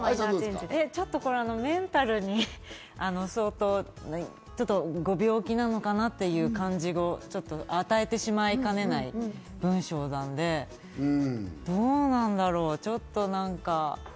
ちょっとこれ、メンタルに相当、ご病気なのかな？っていう感じを与えてしまいかねない文章なので、どうなんだろう？